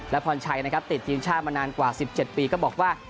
และพรชัยนะครับติดทีมชาติมานานกว่า๑๗ปีก็บอกว่า